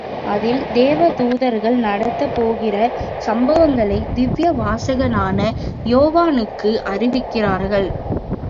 அதில் தேவ தூதர்கள் நடத்தப் போகிற சம்பவங்களை திவ்ய வாசகனான யோவானுக்கு அறிவிக்கிறார்கள்.